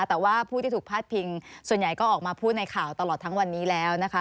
แต่ว่าผู้ที่ถูกพาดพิงส่วนใหญ่ก็ออกมาพูดในข่าวตลอดทั้งวันนี้แล้วนะคะ